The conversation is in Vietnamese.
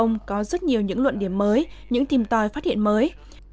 ông có rất nhiều những luận điểm mới những tìm tòi phát hiện mới